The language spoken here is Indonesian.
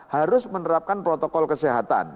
harus menerapkan protokol kesehatan